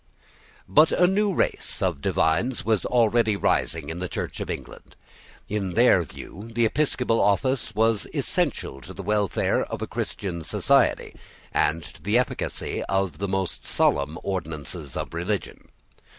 But a new race of divines was already rising in the Church of England. In their view the episcopal office was essential to the welfare of a Christian society and to the efficacy of the most solemn ordinances of religion.